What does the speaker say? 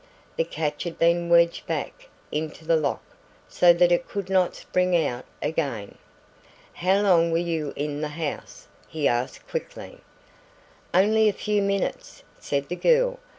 The catch had been wedged back into the lock so that it could not spring out again. "How long were you in the house?" he asked quickly. "Only a few minutes," said the girl.